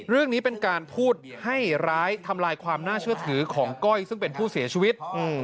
เรื่องนี้เป็นการพูดให้ร้ายทำลายความน่าเชื่อถือของก้อยซึ่งเป็นผู้เสียชีวิต